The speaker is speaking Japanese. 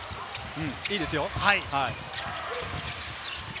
いいですよ。